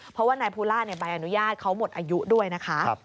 เพราะว่านายภูล่าใบอนุญาตเขาหมดอายุด้วยนะคะ